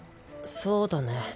そうだね。